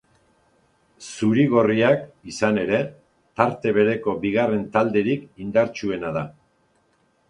Zuri-gorriak, izan ere, tarte bereko bigarren talderik indartsuena da.